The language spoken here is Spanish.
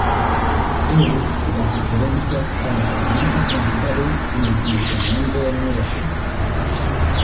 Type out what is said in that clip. Él da sugerencias a los personajes principales en el funcionamiento del negocio.